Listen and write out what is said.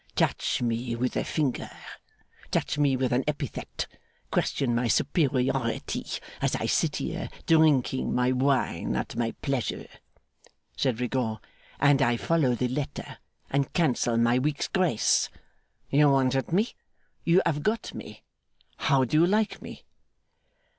'Touch me with a finger, touch me with an epithet, question my superiority as I sit here drinking my wine at my pleasure,' said Rigaud, 'and I follow the letter and cancel my week's grace. You wanted me? You have got me! How do you like me?